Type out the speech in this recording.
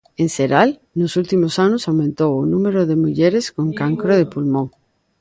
En xeral, nos últimos anos aumentou o número de mulleres con cancro de pulmón.